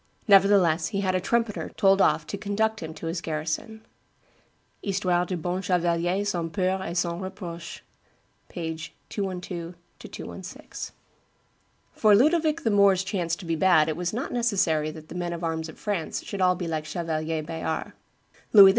Nevertheless he had a trumpeter told off to conduct him to his garrison." [Histoire du bon Chevalier sans Peur et sans Reproche, t. i. pp. 212 216.] For Ludovic the Moor's chance to be bad it was not necessary that the men at arms of France should all be like Chevalier Bayard. Louis XII.